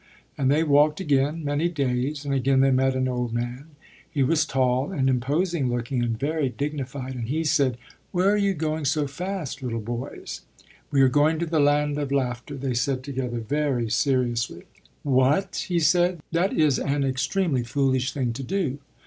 And they walked again, many days, and again they met an old man. He was tall and imposing looking and very dignified. And he said: "Where are you going so fast, little boys?" "We are going to the Land of Laughter," they said together very seriously. "What!" he said, "that is an extremely foolish thing to do.